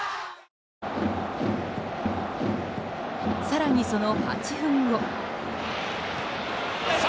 更に、その８分後。